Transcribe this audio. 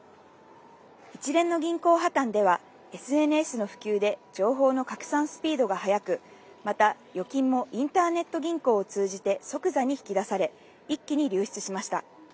一連の銀行破綻では、ＳＮＳの普及で情報の拡散スピードが速く、また預金もインターネット銀行を通じて即座に引き出され、一気に流出しました。